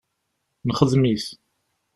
Nexdem-it.